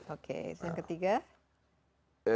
oke yang ketiga